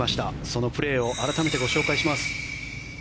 そのプレーを改めてご紹介します。